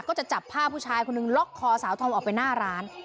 ก็จะจับผ้าผู้ชายคนหนึ่งล็อกคอสาวทอมออกไปหน้าร้าน